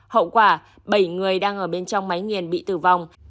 hậu quả bảy người đang ở bên trong máy nghiền bị tử vong